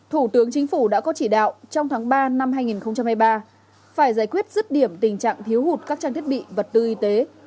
thủ tướng chính phủ đã có chỉ đạo trong tháng ba năm hai nghìn hai mươi ba phải giải quyết rứt điểm tình trạng thiếu hụt các trang thiết bị vật tư y tế